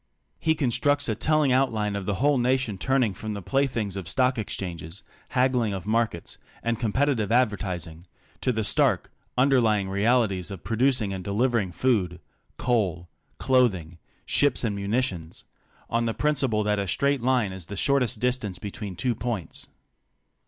He constructs a telling outline of a whole nation turning from the play things of stock exchanges, haggling of markets, and com petitive advertising, to the stark, underlying realities of pro ducing and delivering food, coal, clothing, ships and muni tions — on the principle that a straight line is the shortest distance between two points.